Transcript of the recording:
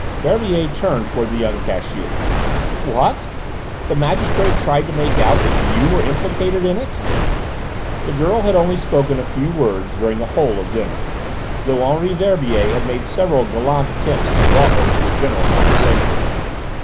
Verbier turned towards the young cashier. "What? The magistrate tried to make out that you were implicated in it?" The girl had only spoken a few words during the whole of dinner, although Henri Verbier had made several gallant attempts to draw her into the general conversation.